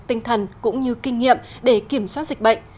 tinh thần cũng như kinh nghiệm để kiểm soát dịch bệnh